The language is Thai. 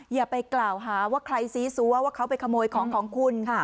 อย่าไปกล่าวหาว่าใครซีซัวว่าเขาไปขโมยของของคุณ